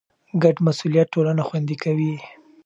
ګډ مسئولیت ټولنه خوندي کوي.